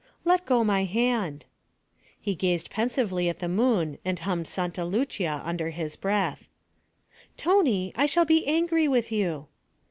'Let go my hand.' He gazed pensively at the moon and hummed Santa Lucia under his breath. 'Tony! I shall be angry with you.'